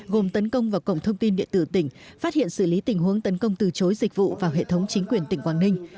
gồm tấn công vào cổng thông tin địa tử tỉnh phát hiện xử lý tình huống tấn công từ chối dịch vụ vào hệ thống chính quyền tỉnh quảng ninh